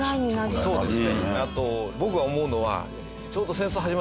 そうですよね。